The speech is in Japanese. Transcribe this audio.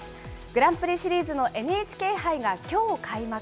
グランプリシリーズのＮＨＫ杯がきょう開幕。